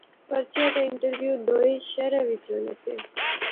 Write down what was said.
پرچہ تے انٹرویو دووے شہرے وچ ہونے سے